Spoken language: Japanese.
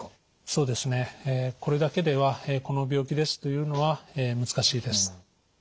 そうですねこれだけではこの病気ですというのは難しいです。